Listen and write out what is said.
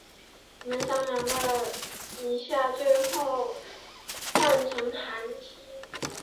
我们商量了一下最后就换成了韩青。